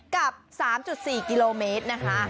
กับ๓๔กิโลเมตรนะคะ